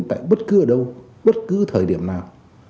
tại bất cứ đâu bất cứ thời điểm nào